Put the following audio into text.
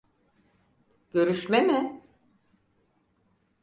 Görüşme mi?